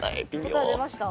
答え出ました？